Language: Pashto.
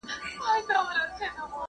بلبلان په باغونو کې سندرې وايي.